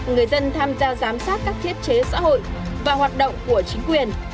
người dân tham gia giám sát các thiết chế xã hội và hoạt động của chính quyền